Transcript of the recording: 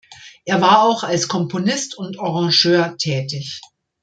Er war auch als Komponist und Arrangeur tätig.